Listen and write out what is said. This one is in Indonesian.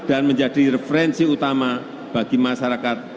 dan menjadi referensi utama bagi masyarakat